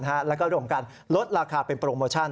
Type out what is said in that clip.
แล้วก็เรื่องของการลดราคาเป็นโปรโมชั่น